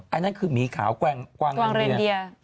อันนั้นคือหมีขาวกวางเรนเดีย